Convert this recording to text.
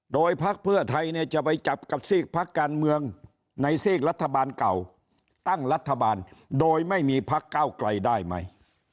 โดยพักเพื่อไทยเนี่ยจะไปจับกับซีกพักการเมืองในซีกรัฐบาลเก่าตั้งรัฐบาลโดยไม่มีพักเก้าไกลได้ไหม